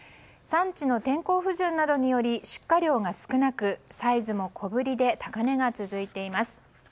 産地の天候不順などにより出荷量が少なくサイズも小ぶりで高値が続いています。